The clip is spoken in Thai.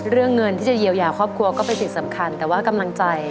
เรื่องเงินที่จะเยี่ยวอย่าครอบครัวก็เป็นสิทธิ์สำคัญ